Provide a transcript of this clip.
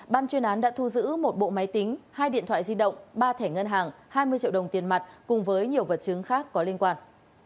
ban chuyên án đã thu giữ một bộ máy tính hai điện thoại di động ba thẻ ngân hàng hai mươi triệu đồng tiền mặt cùng với nhiều vật chứng khác có liên quan